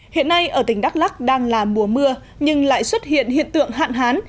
hiện nay ở tỉnh đắk lắc đang là mùa mưa nhưng lại xuất hiện hiện tượng hạn hán